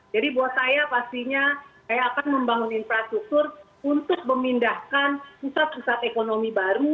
jadi buat saya pastinya saya akan membangun infrastruktur untuk memindahkan pusat pusat ekonomi baru